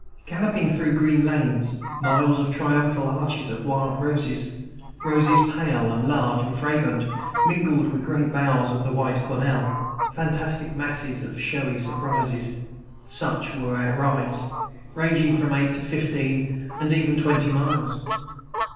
Galloping through green lanes, miles of triumphal arches of wild roses, roses pale and large and fragrant, mingled with great boughs of the white cornel, fantastic masses, snowy surprises, such were our rides, ranging from eight to fifteen and even twenty miles.